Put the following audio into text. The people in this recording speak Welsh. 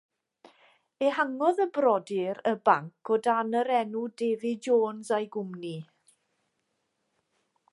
Ehangodd y brodyr y banc o dan yr enw David Jones a'i Gwmni.